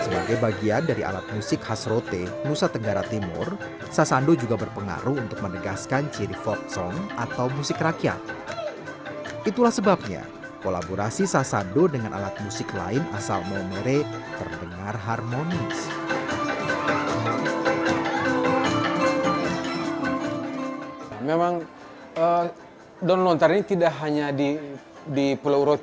lebih dari itu musik rakyat dan musik musik rakyat